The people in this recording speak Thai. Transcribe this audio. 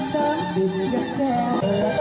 กลับมาเท่าไหร่